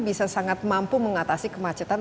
bisa sangat mampu mengatasi kemacetan